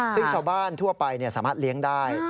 ซึ่งชาวบ้านทั่วไปสามารถเลี้ยงได้